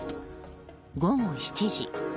午後７時。